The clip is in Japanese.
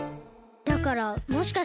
だからもしかして。